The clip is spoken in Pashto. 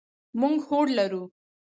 موږ هوډ لرو.